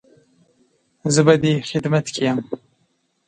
زه به دې خدمت کې يم